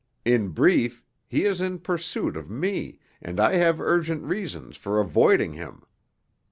In brief, he is in pursuit of me and I have urgent reasons for avoiding him.